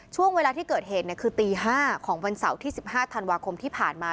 ช่วงเวลาที่เกิดเหตุคือตี๕ของวันเสาร์ที่๑๕ธันวาคมที่ผ่านมา